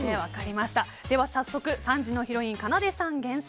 では早速、３時のヒロインかなでさん厳選！